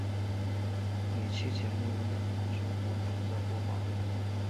每期节目由两名主播负责播报。